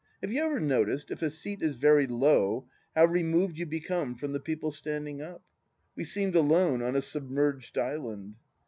Have you ever noticed, if a seat is very low, how removed you become from the people standing up ? We seemed alone on a submerged island.